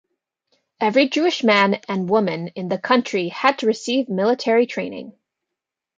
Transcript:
Every Jewish man and woman in the country had to receive military training.